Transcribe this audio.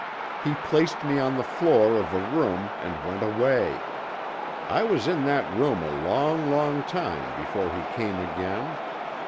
He placed me on the floor of a room and went away. I was in that room a long, long time before he came again.